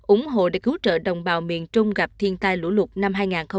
ủng hộ để cứu trợ đồng bào miền trung gặp thiên tai lũ lụt năm hai nghìn